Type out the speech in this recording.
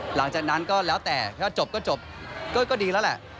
หลังจากนั้นก็แล้วแต่ถ้าจบก็จบก็ดีแล้วแหละ